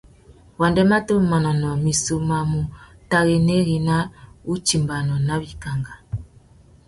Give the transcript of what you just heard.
Wanda matê manônōh missú má mú taréyari nà wutimbāna nà wikangá.